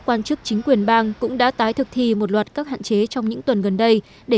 quan chức chính quyền bang cũng đã tái thực thi một loạt các hạn chế trong những tuần gần đây để